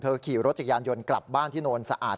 ขี่รถจักรยานยนต์กลับบ้านที่โนนสะอาด